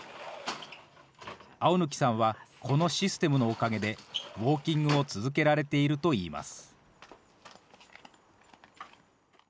青貫さんはこのシステムのおかげで、ウォーキングを続けられているといいます。